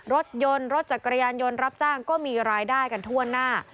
รถยนต์รถจักรยานยนต์รับจ้างก็มีรายได้กันทั่วหน้า